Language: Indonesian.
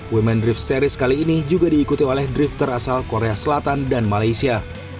women drift series kali ini juga diikuti oleh drifter asal korea selatan dan malaysia